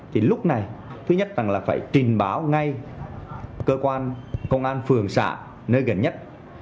thì lúc này thứ nhất là phải trình báo ngay cơ quan công an phường xã nơi gần nhất